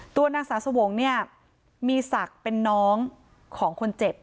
ตัวนางสาวสวงศ์เนี่ยมีศักดิ์เป็นน้องของคนเจ็บ